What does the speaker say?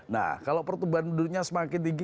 nah kalau pertumbuhan penduduknya semakin tinggi